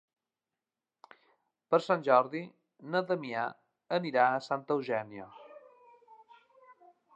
Per Sant Jordi na Damià anirà a Santa Eugènia.